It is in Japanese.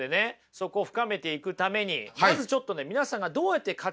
そこを深めていくためにまずちょっとね皆さんがどうやって価値観を決めていってるか